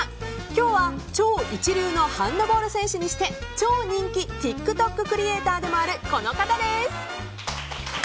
今日は超一流のハンドボール選手にして超人気ＴｉｋＴｏｋクリエーターでもあるこの方です！